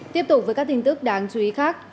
tiếp tục với các tin tức đáng chú ý khác